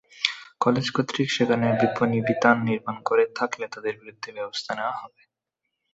College কর্তৃপক্ষ সেখানে বিপণিবিতান নির্মাণ করে থাকলে তাদের বিরুদ্ধে ব্যবস্থা নেওয়া হবে।